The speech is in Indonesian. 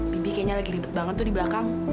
bibi kayaknya lagi ribet banget tuh di belakang